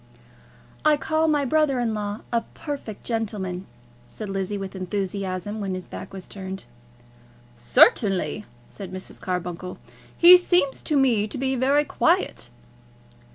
"I call my brother in law a perfect gentleman," said Lizzie with enthusiasm, when his back was turned. "Certainly," said Mrs. Carbuncle. "He seems to me to be very quiet."